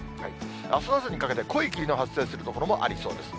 あす朝にかけて、濃い霧の発生する所もありそうです。